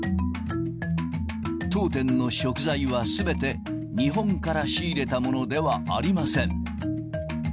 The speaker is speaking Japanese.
当店の食材はすべて日本から仕入れたものではありません。